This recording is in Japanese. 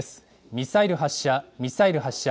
ミサイル発射、ミサイル発射。